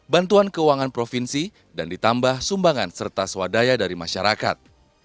bantuan keuangan provinsi dan ditambah sumbangan serta swadaya dari masyarakat